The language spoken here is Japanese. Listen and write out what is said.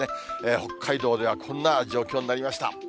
北海道ではこんな状況になりました。